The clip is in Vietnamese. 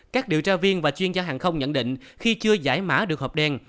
các điều tra viên và chuyên gia hàng không nhận định khi chưa giải mã được hộp đen